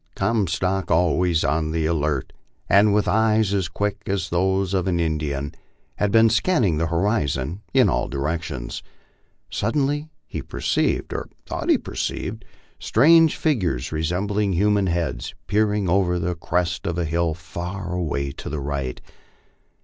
Comstock, always on the alert and with eyes as quick as those of an Indian, had been scanning the horizon in all directions. Suddenly he perceived, or thought be perceived, strange figures, resembling human heads, peering over the crest of a hill far away to the right.